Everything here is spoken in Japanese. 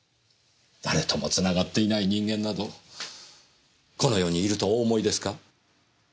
誰ともつながっていない人間などこの世にいるとお思いですか？